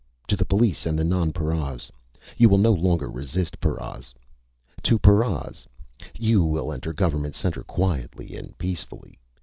To the police and to nonparas: You will no longer resist paras! To paras: You will enter Government Center quietly and peacefully.